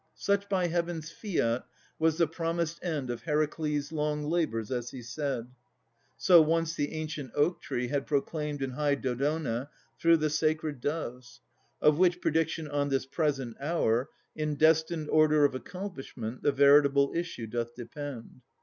Such by Heaven's fiat was the promised end Of Heracles' long labours, as he said; So once the ancient oak tree had proclaimed In high Dodona through the sacred Doves. Of which prediction on this present hour In destined order of accomplishment The veritable issue doth depend.